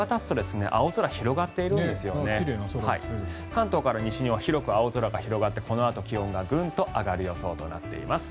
関東から西には広く青空が広がってこのあと気温がグンと上がる予想となっています。